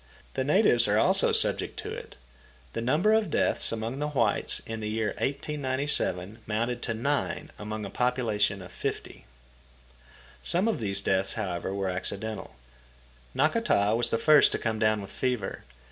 The natives are also subject to it. The number of deaths among the whites in the year 1897 amounted to 9 among a population of 50." Some of these deaths, however, were accidental. Nakata was the first to come down with fever.